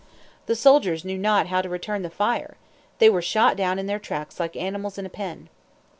The soldiers knew not how to return the fire. They were shot down in their tracks like animals in a pen.